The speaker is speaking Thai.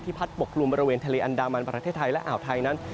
พัดปกลุ่มบริเวณทะเลอันดามันประเทศไทยและอ่าวไทยนั้น